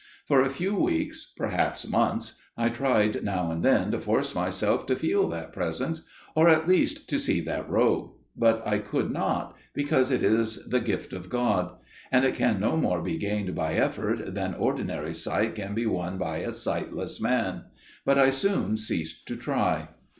For a few weeks, perhaps months, I tried now and then to force myself to feel that Presence, or at least to see that robe, but I could not, because it is the gift of God, and can no more be gained by effort than ordinary sight can be won by a sightless man; but I soon ceased to try.